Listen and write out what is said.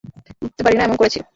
ভাবতে পারি না, এমন করেছি।